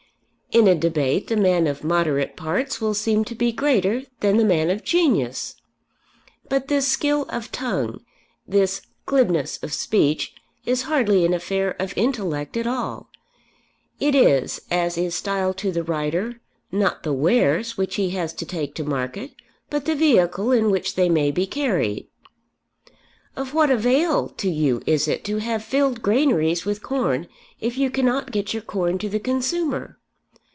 In a debate, the man of moderate parts will seem to be greater than the man of genius. But this skill of tongue, this glibness of speech is hardly an affair of intellect at all. It is, as is style to the writer, not the wares which he has to take to market, but the vehicle in which they may be carried. Of what avail to you is it to have filled granaries with corn if you cannot get your corn to the consumer?